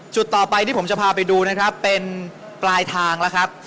จุดต่อไปที่ผมจะพาไปดูนะครับเป็นปลายทางแล้วครับ